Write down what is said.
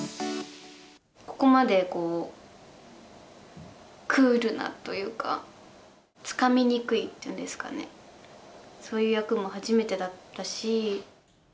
ここまでクールなというか、つかみにくいっていうんですかね、そういう役も初めてだったし。